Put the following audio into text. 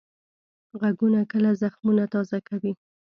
غږونه کله زخمونه تازه کوي